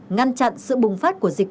ngăn chặn sự bùng phát của dịch